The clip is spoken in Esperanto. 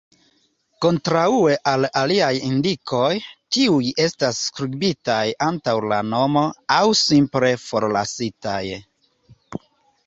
Kontraŭe al aliaj indikoj, tiuj estas skribitaj antaŭ la nomo, aŭ simple forlasitaj.